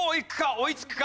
追いつくか？